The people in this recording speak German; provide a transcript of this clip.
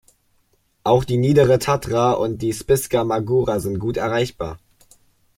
Auch die Niedere Tatra und die Spišská Magura sind gut erreichbar.